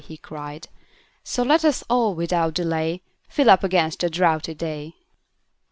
he cried, "So let us all, without delay, Fill up against a drouthy day."